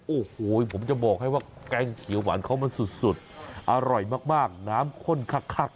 โอ้โหผมจะบอกให้ว่าแกงเขียวหวานเขามันสุดอร่อยมากน้ำข้นคัก